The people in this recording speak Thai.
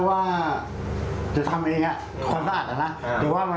แต่ว่าวันนั้นมันทำไม่เยี่ยมก็เลยเซ็งเลยอืมปล่อยเลยครับเนี้ยเลยปล่อยเลย